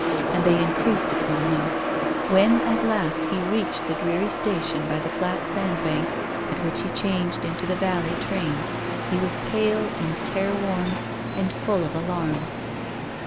And they increased upon him. When at last he reached the dreary station by the flat sandbanks, at which he changed into the vallej train, he was pale and careworn, and full of alarm.